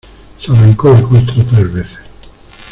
Se arrancó la costra tres veces.